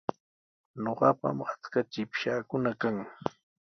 Ñuqapami achka chipshaakuna kan.